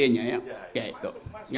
masukan tentang kekonyolan idenya